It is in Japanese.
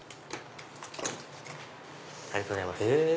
ありがとうございます。